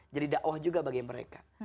jadi dakwah juga bagi mereka